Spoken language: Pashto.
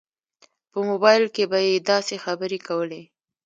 په موبایل کې به یې داسې خبرې کولې.